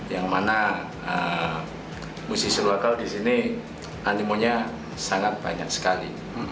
yang mana musisi lokal disini animonya sangat banyak sekali